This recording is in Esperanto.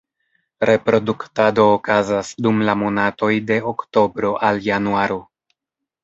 Reproduktado okazas dum la monatoj de oktobro al januaro.